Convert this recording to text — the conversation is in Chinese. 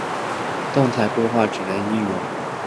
动态规划只能应用于有最优子结构的问题。